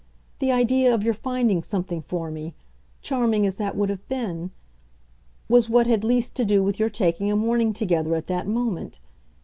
The idea of your finding something for me charming as that would have been was what had least to do with your taking a morning together at that moment.